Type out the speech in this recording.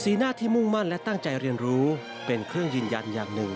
หน้าที่มุ่งมั่นและตั้งใจเรียนรู้เป็นเครื่องยืนยันอย่างหนึ่ง